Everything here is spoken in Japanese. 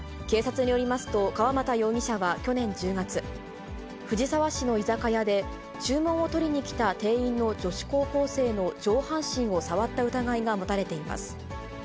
警察によりますと、川又容疑者は去年１０月、藤沢市の居酒屋で、注文を取りに来た店員の女子高校生の上半身を触った疑いが持たれています。